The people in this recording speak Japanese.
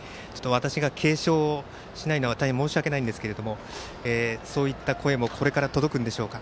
私が敬称をしないのは大変申し訳ないんですけれどもそういった声もこれから届くんでしょうか。